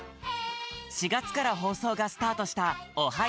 ４月から放送がスタートした「オハ！